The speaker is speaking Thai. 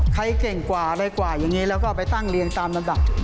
ใครเก่งกว่ารวยกว่าอย่างนี้แล้วก็ไปตั้งเรียนตามลำดับ